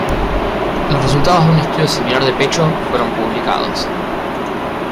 Los resultados de un estudio similar de pecho fueron publicados.